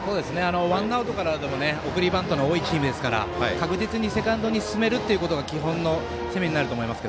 ワンアウトから送りバントの多いチームですから確実にセカンドに進めるってことが基本の攻めになると思います。